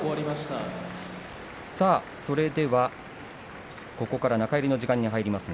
それでは、ここから中入りの時間に入ります。